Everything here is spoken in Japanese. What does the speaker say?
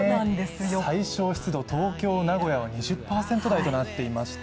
最小湿度、東京・名古屋は２０％台となっていました。